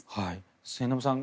末延さん